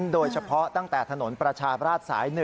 โดยเฉพาะตั้งแต่ถนนประชาบราชสาย๑